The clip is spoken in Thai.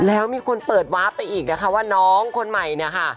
แล้วมีคนเปิดวาร์ฟไปอีกนะคะว่าน้องคนใหม่เนี่ยค่ะ